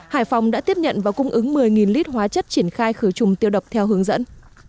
hải phòng đã tiếp nhận và cung ứng một mươi lít hóa chất triển khai khử trùng tiêu độc theo hướng dẫn